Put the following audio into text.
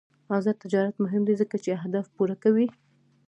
آزاد تجارت مهم دی ځکه چې اهداف پوره کوي.